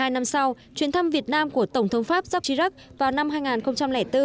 một mươi hai năm sau chuyến thăm việt nam của tổng thống pháp jacques chirac vào năm hai nghìn bốn